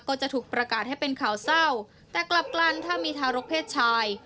ก็จะถูกประกาศให้เป็นข่าวเศร้าแต่กลับกลันถ้ามีทารกเพศชาย